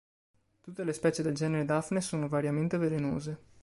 Tutte le specie del genere Daphne sono variamente velenose.